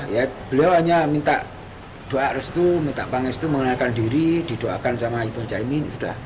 ya beliau hanya minta doa restu minta panges itu mengenalkan diri didoakan sama ibu caimin sudah